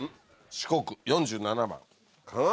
四国４７番。